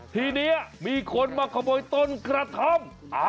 ทีนี้มีคนมาขโมยต้นกระท่อม